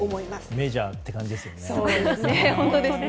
メジャーって感じですよね。